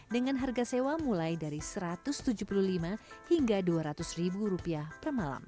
dengan harga sewa mulai dari rp satu ratus tujuh puluh lima hingga dua ratus ribu rupiah per malam